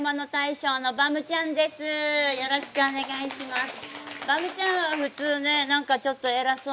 よろしくお願いします。